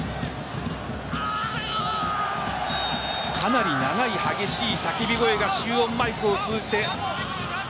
かなり長い激しい叫び声が集音マイクを通じて。